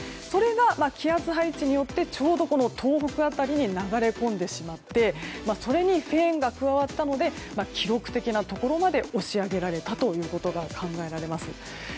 それが、気圧配置によってちょうど東北辺りに流れ込んでしまってそれにフェーンが加わったので記録的なところまで押し上げられたと考えられます。